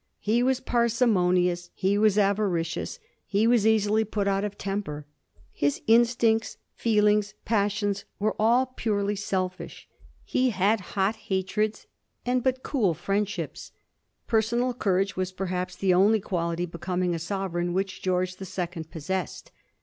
He was parsimonious ; he was avaricious ; he was easily put out of temper. His instincts, feelings, passions, were all purely selfish. He had hot hatreds, and but cool fi iendships. Per sonal courage was, perhaps, the only quality becoming a sovereign which George the Second possessed.